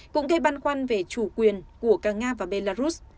cũng gây băn khoăn về chủ quyền của cả nga và belarus